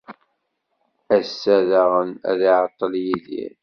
Ass-a daɣen ad iεeṭṭel Yidir.